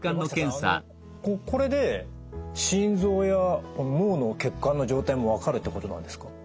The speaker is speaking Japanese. あのこれで心臓や脳の血管の状態も分かるってことなんですか？